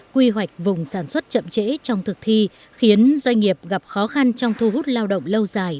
quy hoạch vùng sản xuất chậm trễ trong thực thi khiến doanh nghiệp gặp khó khăn trong thu hút lao động lâu dài